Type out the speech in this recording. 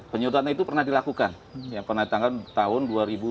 penyedotan itu pernah dilakukan pernah ditangkap tahun dua ribu tiga belas